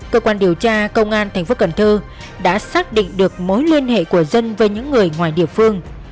cơ quan điều tra công an thành phố cần thơ đã xác định được mối liên hệ của dân với những người ngoài địa phương